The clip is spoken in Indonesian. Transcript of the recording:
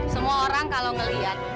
semua orang kalau ngeliat